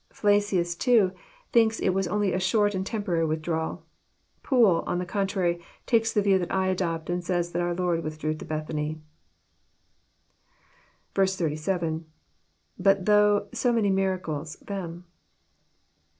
Flaclus, too, thinks it was only a short and temporary withdrawal. Foole, on the contrary, takes the view that I adopt, and says that our Lord withdrew to Bethany. *flr. — IBut though.,. so many miracles,,, them."